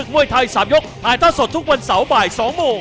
มวยไทย๓ยกถ่ายท่าสดทุกวันเสาร์บ่าย๒โมง